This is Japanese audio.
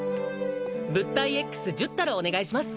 物体Ｘ１０樽お願いします